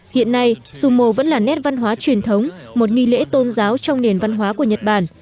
hiện nay sumo vẫn là nét văn hóa truyền thống một nghi lễ tôn giáo trong nền văn hóa của nhật bản